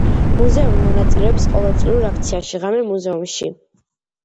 მუზეუმი მონაწილეობს ყოველწლიურ აქციაში „ღამე მუზეუმში“.